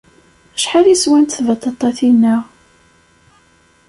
Acḥal i swant tbaṭaṭatin-a?